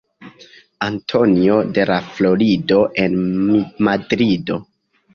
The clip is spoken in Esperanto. Antonio de La Florido en Madrido.